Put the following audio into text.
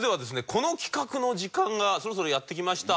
この企画の時間がそろそろやってきました。